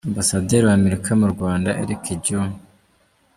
Ambasaderi wa Amerika mu Rwanda, Erica J.